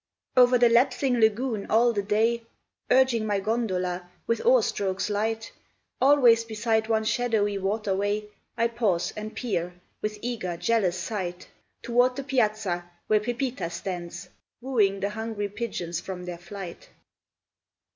Over the lapsing lagune all the day Urging my gondola with oar strokes light, Always beside one shadowy waterway I pause and peer, with eager, jealous sight, Toward the Piazza where Pepita stands, Wooing the hungry pigeons from their flight.